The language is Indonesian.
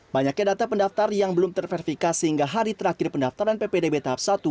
banyaknya data pendaftar yang belum terverifikasi hingga hari terakhir pendaftaran ppdb tahap satu